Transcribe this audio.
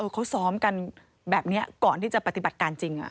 เขาซ้อมกันแบบนี้ก่อนที่จะปฏิบัติการจริง